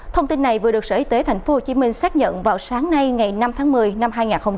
thông tin này vừa được sở y tế tp hcm xác nhận vào sáng nay ngày năm tháng một mươi năm hai nghìn hai mươi